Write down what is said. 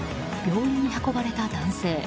病院に運ばれた男性。